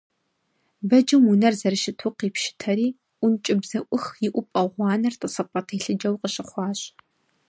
Бэджым унэр зэрыщыту къипщытэри, ӀункӀыбзэӀух иӀупӀэ гъуанэр тӀысыпӀэ телъыджэу къыщыхъуащ.